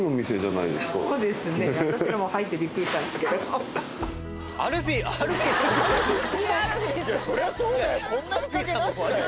いやそりゃあそうだよ！